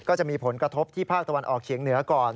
ก็จะมีผลกระทบที่ภาคตะวันออกเฉียงเหนือก่อน